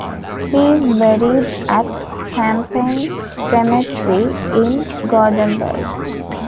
He is buried at Stampen Cemetery in Gothenburg.